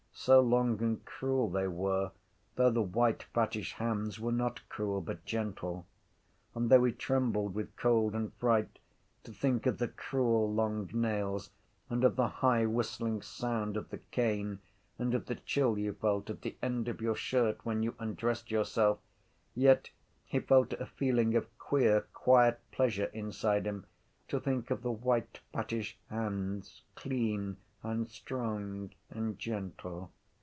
So long and cruel they were though the white fattish hands were not cruel but gentle. And though he trembled with cold and fright to think of the cruel long nails and of the high whistling sound of the cane and of the chill you felt at the end of your shirt when you undressed yourself yet he felt a feeling of queer quiet pleasure inside him to think of the white fattish hands, clean and strong and gentle.